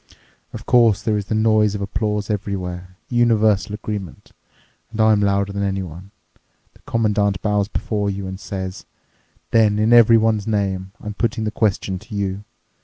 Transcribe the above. Of course, there is the noise of applause everywhere, universal agreement. And I'm louder than anyone. The Commandant bows before you and says, 'Then in everyone's name, I'm putting the question to you.